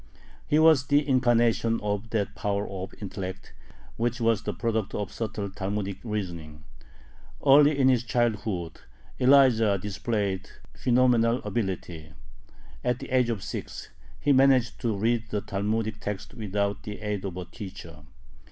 He was the incarnation of that power of intellect which was the product of subtle Talmudic reasoning. Early in his childhood Elijah displayed phenomenal ability. At the age of six he managed to read the Talmudic text without the aid of a teacher.